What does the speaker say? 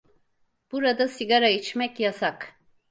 Burada sigara içmek yasak.